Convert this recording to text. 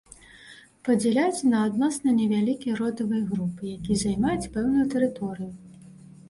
Падзяляюцца на адносна невялікія родавыя групы, якія займаюць пэўную тэрыторыю.